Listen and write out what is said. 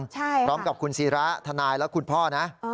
ใช่ค่ะพร้อมกับคุณสีระทนายแล้วคุณพ่อนะ